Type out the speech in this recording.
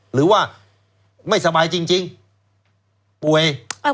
หรือว่าไม่สบายจริงป่วย